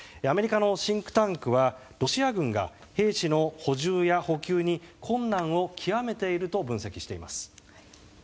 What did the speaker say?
アメリカのシンクタンクはロシア軍が、兵士の補充や補給に困難を極めていると分析しています。